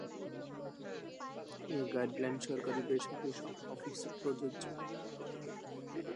এ guideline সরকারি বেসরকারি সব অফিসে প্রযোজ্য হবে।